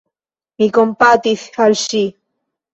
Mi kompatis al ŝi.